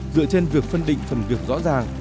dựa trên việc phân định phần việc rõ ràng